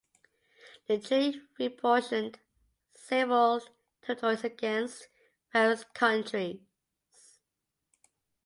The treaty reapportioned several territories amongst various countries.